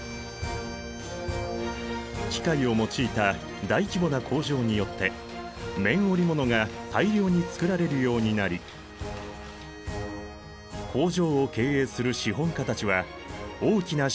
機械を用いた大規模な工場によって綿織物が大量に作られるようになり工場を経営する資本家たちは大きな収益をあげた。